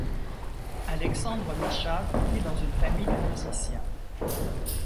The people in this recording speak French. Alexandre Micha grandit dans une famille de musiciens.